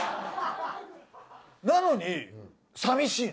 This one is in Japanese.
なのにさみしいの。